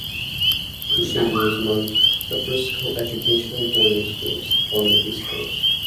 Cushing was among the first coeducational boarding schools on the East Coast.